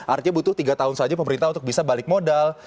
artinya butuh tiga tahun saja pemerintah untuk bisa balik modal